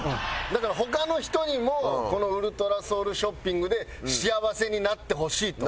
だから他の人にもこのウルトラソウルショッピングで幸せになってほしいと。